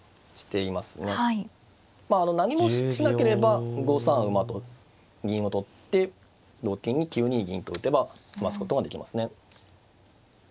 まあ何もしなければ５三馬と銀を取って同金に９二銀と打てば詰ますことができますね。